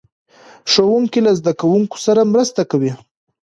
ښوونکي له زده کوونکو سره مرسته کوي.